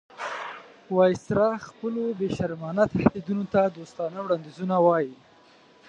وایسرا خپلو بې شرمانه تهدیدونو ته دوستانه وړاندیزونه وایي.